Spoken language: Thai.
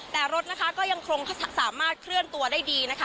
แต่รถนะคะก็ยังคงสามารถเคลื่อนตัวได้ดีนะคะ